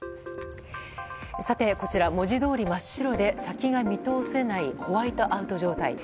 こちら、文字どおり真っ白で先が見通せないホワイトアウト状態。